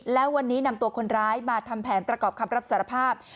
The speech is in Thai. แล้ววันนี้นำตัวคนร้ายมาทำแผนประกอบคำรับสารภาพ